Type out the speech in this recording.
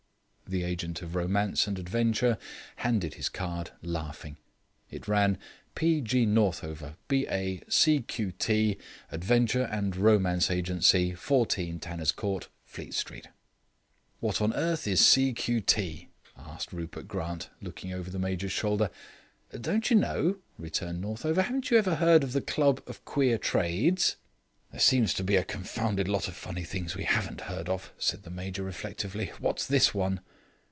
The agent of Romance and Adventure handed his card, laughing. It ran, "P. G. Northover, B.A., C.Q.T., Adventure and Romance Agency, 14 Tanner's Court, Fleet Street." "What on earth is 'C.Q.T.'?" asked Rupert Grant, looking over the Major's shoulder. "Don't you know?" returned Northover. "Haven't you ever heard of the Club of Queer Trades?" "There seems to be a confounded lot of funny things we haven't heard of," said the little Major reflectively. "What's this one?"